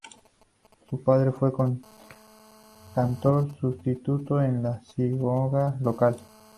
Su padre fue cantor sustituto en la sinagoga local.